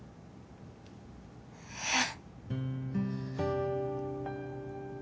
えっ？